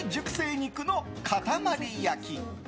肉の塊焼き。